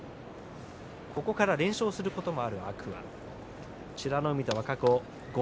ここから連勝することもある天空海。